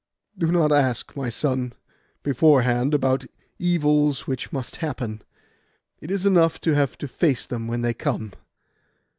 'Do not ask, my son, beforehand, about evils which must happen: it is enough to have to face them when they come.